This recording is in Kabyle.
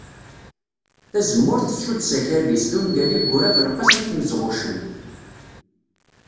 Tazemmurt tcudd s akal-is d ungal i yura Belqesem At Maɣzuccen